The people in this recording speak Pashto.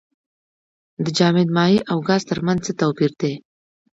د جامد مایع او ګاز ترمنځ څه توپیر دی.